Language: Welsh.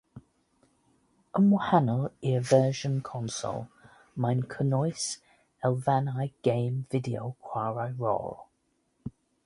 Yn wahanol i'r fersiwn consol, mae'n cynnwys elfennau gêm fideo chwarae rôl.